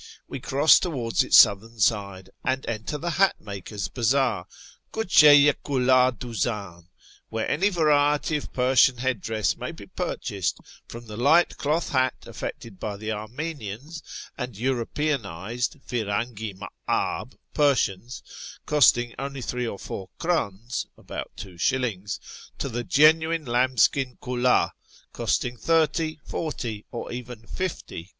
We cross towards its southern side, and enter the hat makers' bazaar {KucM i hiddh duzdn), where any variety of Persian head dress may be purchased, from the light cloth hat affected by the Armenians and Europeanised {firangi ma'dh) Persians, costing only three or four krdns (about two shillings), to the genuine lambskin hiddh, costing thirty, forty, or even fifty I'rdns.